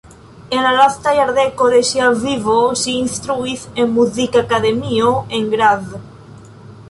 En la lasta jardeko de ŝia vivo ŝi instruis en muzikakademio en Graz.